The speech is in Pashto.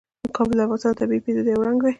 کابل د افغانستان د طبیعي پدیدو یو رنګ دی.